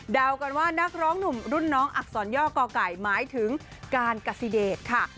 กันว่านักร้องหนุ่มรุ่นน้องอักษรย่อก่อไก่หมายถึงการกซิเดชค่ะ